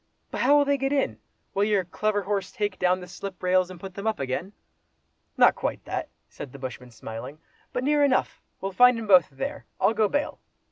"But how will they get in? Will your clever horse take down the slip rails, and put them up again?" "Not quite that!" said the bushman smiling—"but near enough; we'll find 'em both there, I'll go bail!"